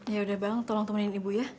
ya udah bang tolong temenin ibu ya